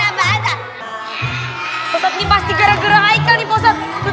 ustad ini pasti gara gara aikal nih